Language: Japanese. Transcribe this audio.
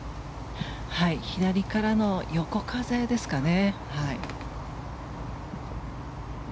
左からの横風ですかね。